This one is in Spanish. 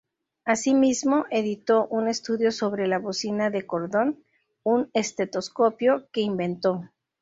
Asimismo, editó un estudio sobre la "bocina de cordón", un estetoscopio que inventó.